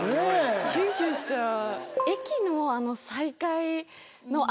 キュンキュンしちゃう。